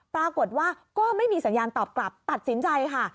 ปรากฏว่าก็ไม่มีสัญญาณตอบกลับตัดสินใจค่ะ